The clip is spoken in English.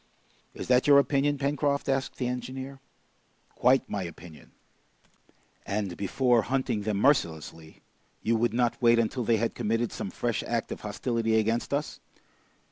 "Is that your opinion, Pencroft?" asked the engineer. "Quite my opinion." "And before hunting them mercilessly, you would not wait until they had committed some fresh act of hostility against us?"